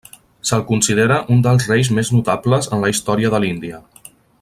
Se'l considera un dels reis més notables en la història de l'Índia.